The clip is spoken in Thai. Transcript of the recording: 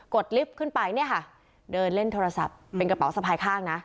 ดลิฟต์ขึ้นไปเนี่ยค่ะเดินเล่นโทรศัพท์เป็นกระเป๋าสะพายข้างนะ